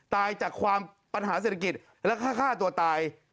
จากความปัญหาเศรษฐกิจแล้วก็ฆ่าตัวตาย